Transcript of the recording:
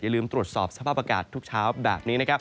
อย่าลืมตรวจสอบสภาพอากาศทุกเช้าแบบนี้